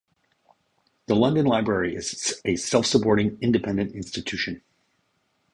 The London Library is a self-supporting, independent institution.